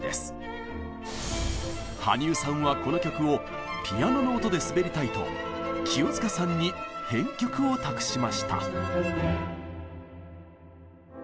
羽生さんはこの曲をピアノの音で滑りたいと清塚さんに編曲を託しました。